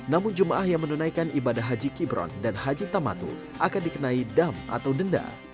namun jemaah yang menunaikan ibadah haji kibron dan haji tamatu akan dikenai dam atau denda